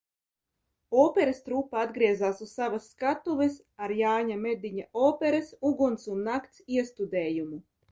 "Operas trupa atgriezās uz savas skatuves ar Jāņa Mediņa operas "Uguns un nakts" iestudējumu."